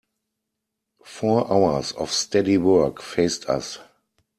Four hours of steady work faced us.